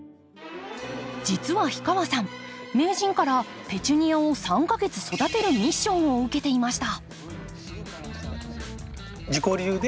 実は氷川さん名人からペチュニアを３か月育てるミッションを受けていました。